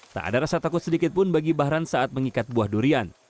tak ada rasa takut sedikitpun bagi bahran saat mengikat buah durian